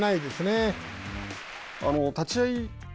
立ち合い霧